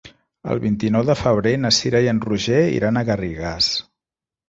El vint-i-nou de febrer na Cira i en Roger iran a Garrigàs.